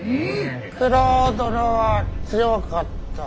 九郎殿は強かった。